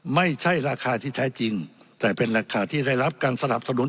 ไม่ใช่ราคาที่แท้จริงแต่เป็นราคาที่ได้รับการสนับสนุน